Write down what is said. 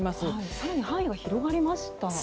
更に範囲が広がりましたね。